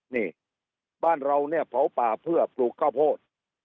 นี่บ้านเราเนี่ยเผาป่าเพื่อปลูกข้าวโพด